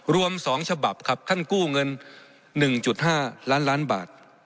รวม๒ฉบับครับท่านกู้เงิน๑๕ล้านล้านบาท